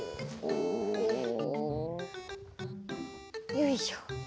よいしょ。